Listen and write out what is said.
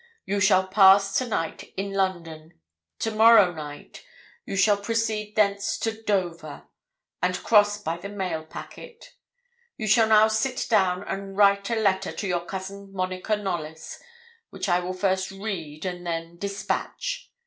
You shall pass to night in London; to morrow night you proceed thence to Dover, and cross by the mail packet. You shall now sit down and write a letter to your cousin Monica Knollys, which I will first read and then despatch.